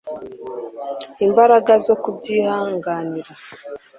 imbaraga zo kubyihanganira